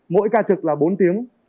mỗi ca trực là bốn tiếng